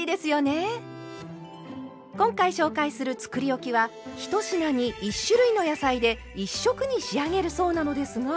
今回紹介するつくりおきは１品に１種類の野菜で１色に仕上げるそうなのですが。